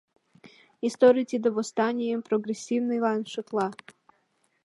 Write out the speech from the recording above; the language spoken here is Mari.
Историй тиде восстанийым прогрессивныйлан шотла.